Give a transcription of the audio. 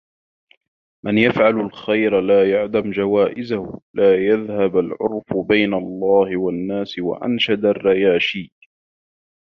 مَنْ يَفْعَلْ الْخَيْرَ لَا يَعْدَمْ جَوَائِزَهُ لَا يَذْهَبُ الْعُرْفُ بَيْنَ اللَّهِ وَالنَّاسِ وَأَنْشَدَ الرِّيَاشِيُّ